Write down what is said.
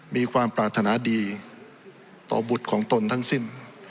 มีความปรารถนาดีต่อบุตรของตนทั้งสิ้น